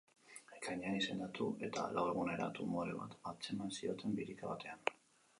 Ekainean, izendatu eta lau egunera, tumore bat atzeman zioten birika batean.